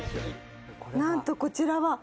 「なんとこちらは」